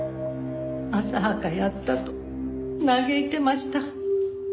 浅はかやったと嘆いてました。